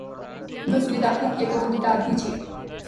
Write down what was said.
وزیر داخلہ کی عقل کو بھی داد دیجئے۔